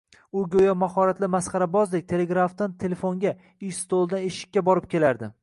U go`yo mahoratli masxarabozdek telegrafdan telefonga, ish stolidan eshikka borib kelardi